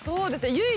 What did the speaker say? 唯一。